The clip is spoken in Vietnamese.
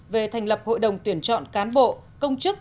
về thành lập hội đồng tuyển chọn cán bộ công chức